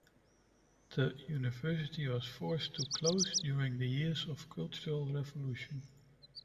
The University was forced to close during the years of Cultural Revolution.